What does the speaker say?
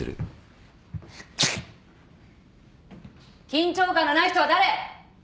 緊張感のない人は誰！？